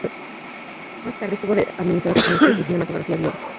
Más tarde, estuvo administrado por "Cines Sur" y "Cinematográfica Biobío".